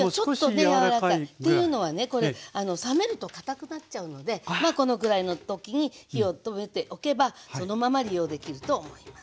ちょっとやわらかい。っていうのはね冷めると堅くなっちゃうのでこのぐらいの時に火を止めておけばそのまま利用できると思います。